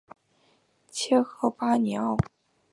切赫巴尼奥。